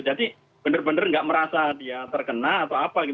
jadi benar benar nggak merasa dia terkena atau apa gitu